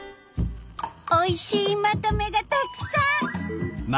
おいしいまとめがたくさん！